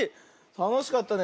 たのしかったね。